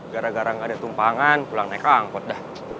gara gara gak ada tumpangan pulang naik angkot dah